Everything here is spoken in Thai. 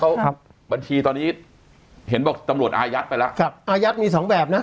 เขาครับบัญชีตอนนี้เห็นบอกตำรวจอายัดไปแล้วครับอายัดมีสองแบบนะ